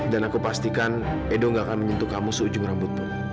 dan aku pastikan edo tidak akan menyentuh kamu seujung rambutmu